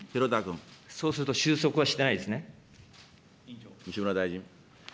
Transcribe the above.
そうすると、収束はしてない西村大臣。